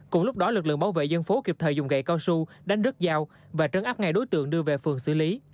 cùng lúc đó lực lượng bảo vệ dân phố kịp thời dùng gậy cao su đánh đứt dao và trấn áp ngay đối tượng đưa về phường xử lý